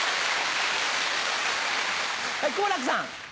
はい好楽さん。